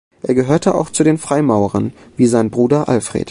Er gehörte auch zu den Freimaurern, wie sein Bruder Alfred.